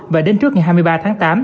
và đến trước ngày hai mươi ba tháng tám